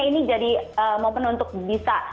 ini jadi momen untuk bisa